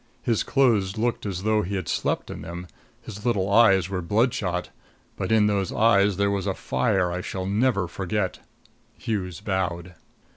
His clothes looked as though he had slept in them; his little eyes were bloodshot. But in those eyes there was a fire I shall never forget. Hughes bowed.